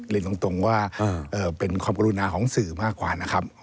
เรียนตรงว่าเป็นความกรุณาของสื่อมากกว่านะครับ